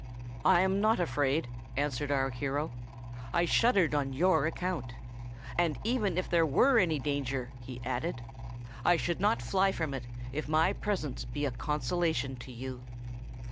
"I am not afraid," answered our hero: "I shuddered on your account. And even if there were any danger," he added, "I should not fly from it, if my presence be a consolation to you."